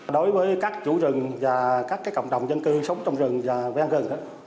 đối với các chủ rừng và các cộng đồng dân cư sống trong rừng và bên gần